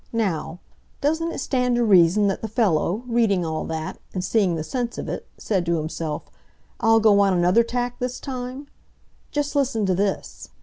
Now, doesn't it stand to reason that the fellow, reading all that, and seeing the sense of it, said to himself, 'I'll go on another tack this time'? Just listen to this!"